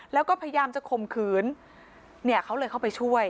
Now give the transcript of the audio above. แล้วก็พยายามจะข่มขืนเนี่ยเขาเลยเข้าไปช่วย